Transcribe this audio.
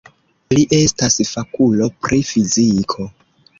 Li estas fakulo pri fiziko.